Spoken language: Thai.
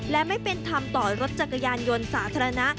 และไม่เป็นธรรมต่อรถจักรยานยนต์สาธารณะ